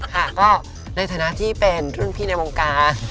ข้าก็ในสถานะที่เป็นทุ่นพี่ในประการ